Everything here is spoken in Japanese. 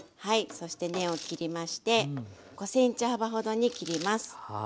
そして根を切りまして５ｃｍ幅ほどに切ります。